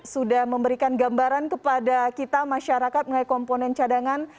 sudah memberikan gambaran kepada kita masyarakat mengenai komponen cadangan